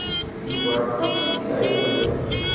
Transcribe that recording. Yuba aṭas i d-iɛiwen.